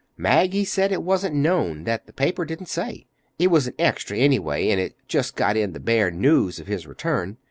"Maggie said it wasn't known—that the paper didn't say. It was an 'Extra' anyway, and it just got in the bare news of his return.